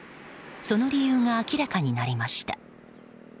その理由が明らかになりました。